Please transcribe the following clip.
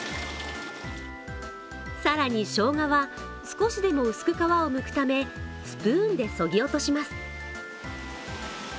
更に、しょうがは少しでも薄く皮をむくためスプーンでそぎ落とします。